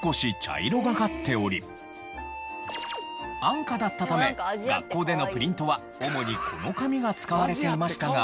安価だったため学校でのプリントは主にこの紙が使われていましたが。